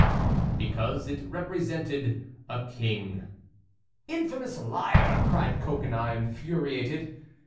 "Because it represented a king." "Infamous liar!" cried Coconnas, infuriated.